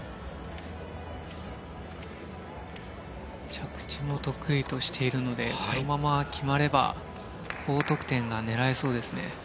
着地も得意としているのでこのまま決まれば高得点が狙えそうですね。